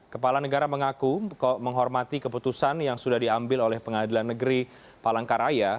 kepala negara mengaku menghormati keputusan yang sudah diambil oleh pengadilan negeri palangkaraya